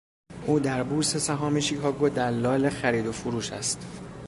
او در بورس سهام شیکاگو دلال خرید و فروش است.